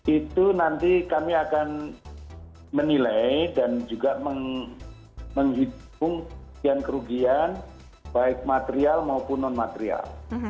itu nanti kami akan menilai dan juga menghitung kerugian baik material maupun non material